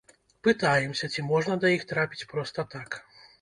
Пытаемся, ці можна да іх трапіць проста так.